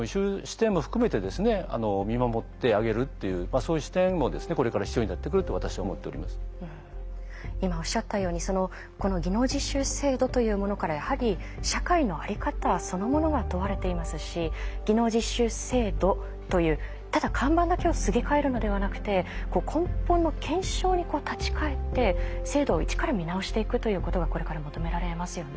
そういう形で企業のほうもあるいは我々も今おっしゃったようにこの技能実習制度というものからやはり社会の在り方そのものが問われていますし技能実習制度というただ看板だけをすげ替えるのではなくて根本の検証に立ち返って制度を一から見直していくということがこれから求められますよね。